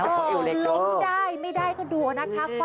มั่แต่พี่แอดูผอมดูเด็กลงจริงเนอะ